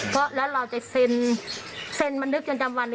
เพราะแล้วเราจะสินสินมานึกจนจำวัน